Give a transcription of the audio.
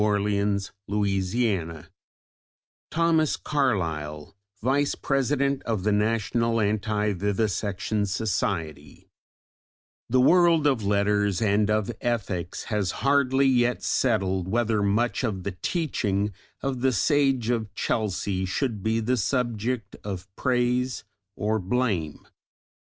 CHAPTER VIII: THOMAS CARLYLE VICE PRESIDENT OF THE NATIONAL ANTI VIVISECTION SOCIETY The world of letters and of ethics has hardly yet settled whether much of the teaching of the Sage of Chelsea should be the subject of praise or blame.